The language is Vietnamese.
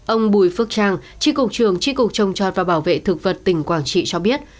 ông bùi phước trang tri cục trường tri cục trồng trọt và bảo vệ thực vật tỉnh quảng trị cho biết